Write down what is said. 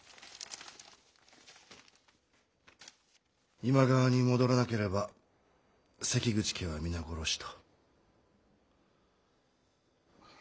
今川に戻らなければ関口家は皆殺しと。